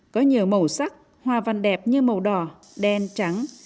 có nhiều màu sắc hoa văn đẹp như màu đỏ đen trắng